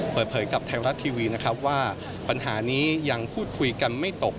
เปิดเผยกับไทยรัฐทีวีนะครับว่าปัญหานี้ยังพูดคุยกันไม่ตก